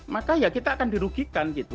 maka ya kita akan dirugikan gitu